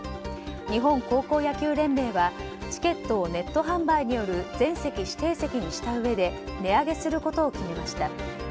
日本高校野球連盟はチケットをネット販売による全席指定席にしたうえで値上げすることを決めました。